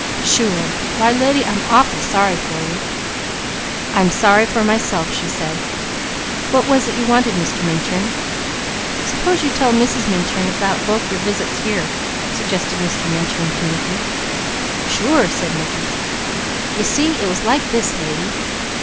"Sure! Why lady, I'm awful sorry for you." "I'm sorry for myself," said she. "What was it you wanted, Mr. Minturn?" "Suppose you tell Mrs. Minturn about both your visits here," suggested Mr. Minturn to Mickey. "Sure!" said Mickey. "You see it was like this lady.